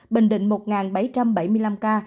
bình định một bảy trăm bảy mươi năm ca